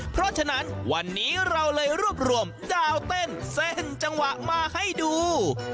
เพราะฉะนั้นวันนี้เราเลยรวบรวมดาวเต้นเส้นจังหวะมาให้ดู